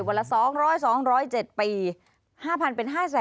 วันละ๒๐๐๒๐๗ปี๕๐๐๐บาทเป็น๕๐๐๐บาท